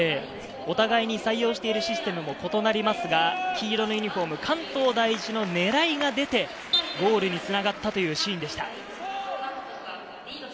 お互い採用してるシステムも異なりますが、関東第一の狙いが出て、ゴールにつながったというシーンでした。